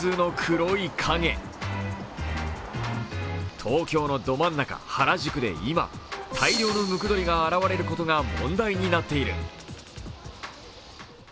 東京のど真ん中・原宿で今、大量のムクドリが問題になっている。